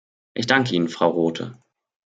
Ich danke Ihnen, Frau Rothe.